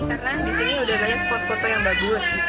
karena di sini sudah melihat spot foto yang bagus